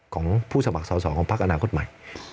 ของผู้สมัครสอสอของพักอนาคตใหม่